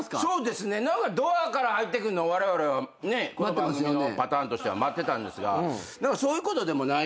ドアから入ってくるのをわれわれはこの番組のパターンとしては待ってたんですがそういうことでもないみたい。